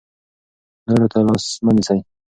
نورو ته لاس مه نیسئ.